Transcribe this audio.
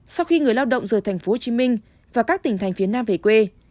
sau khi người lao động rời thành phố hồ chí minh và các tỉnh thành phía nam về quê